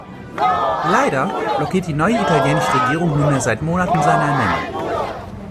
Leider blockiert die neue italienische Regierung nunmehr seit Monaten seine Ernennung.